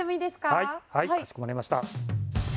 はいかしこまりました。